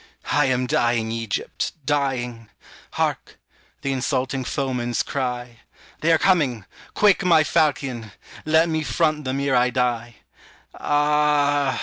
I am dying, Egypt, dying; Hark! the insulting foeman's cry. They are coming quick, my falchion! Let me front them ere I die. Ah!